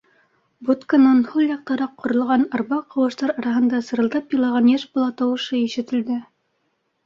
Будканан һул яҡтараҡ ҡоролған арба ҡыуыштар араһында сырылдап илаған йәш бала тауышы ишетелде.